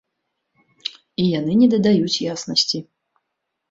І яны не дадаюць яснасці.